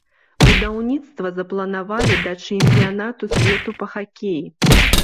Будаўніцтва запланавалі да чэмпіянату свету па хакеі.